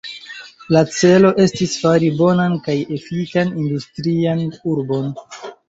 La celo estis fari bonan kaj efikan industrian urbon.